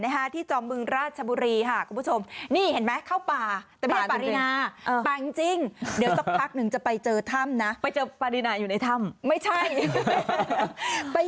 หลายจังหวัดเลยค่ะแต่จุดแรกที่จะพาไปดูก่อนนะฮะ